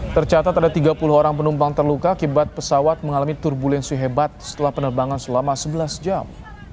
tercatat ada tiga puluh orang penumpang terluka akibat pesawat mengalami turbulensi hebat setelah penerbangan selama sebelas jam